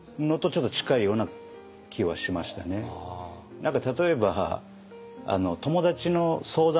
何か例えば友達の相談